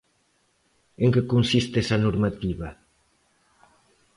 En que consiste esa normativa?